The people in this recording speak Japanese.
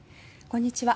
こんにちは。